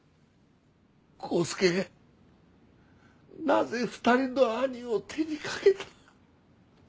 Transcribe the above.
なぜ２人の兄を手にかけた！